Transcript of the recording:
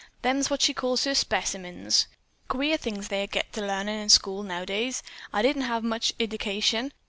"Them's what she calls her specimens. Queer things they get to larnin' in schools nowadays. I didn't have much iddication.